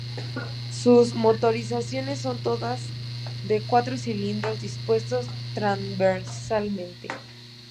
Sus motorizaciones son todas de cuatro cilindros dispuestos transversalmente.